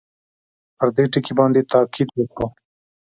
پر دې ټکي باندې تاءکید وکړو.